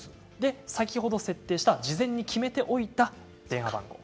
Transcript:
先ほど設定した事前に決めておいた電話番号を。